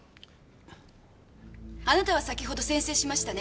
あなたは先ほど宣誓しましたね？